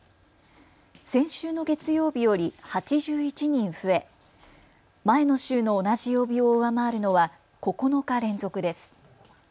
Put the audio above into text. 先週の月曜日より８１人増え、前の週の同じ曜日を上回るのは９日連続です。